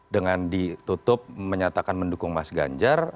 dengan ditutup menyatakan mendukung mas ganjar